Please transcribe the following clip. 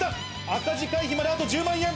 赤字回避まであと１０万円。